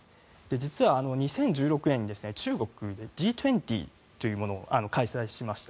実は２０１６年に中国でＧ２０というものを開催しました。